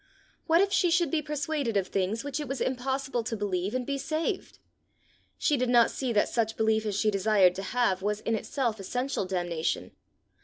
What if she should be persuaded of things which it was impossible to believe and be saved! She did not see that such belief as she desired to have was in itself essential damnation.